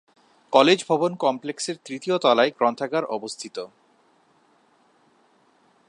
College ভবন কমপ্লেক্সের তৃতীয় তলায় গ্রন্থাগার অবস্থিত।